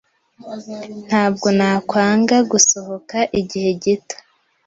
Ntabwo nakwanga gusohoka igihe gito.